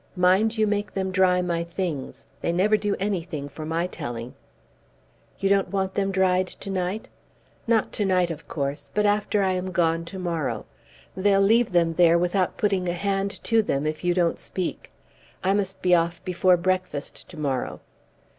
Mind you make them dry my things. They never do anything for my telling." "You don't want them dried to night?" "Not to night, of course; but after I am gone to morrow. They'll leave them there without putting a hand to them, if you don't speak. I must be off before breakfast to morrow."